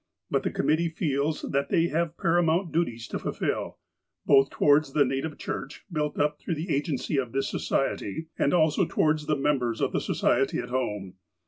But the committee feels that they have paramount duties to fulfill, both towards the Native Church, built up through the agency of this Society, and also towards the members of the Society at home.